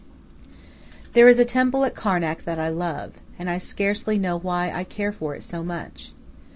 There is a temple at Karnak that I love, and I scarcely know why I care for it so much.